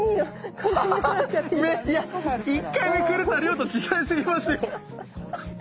いや一回目くれた量と違いすぎますよ。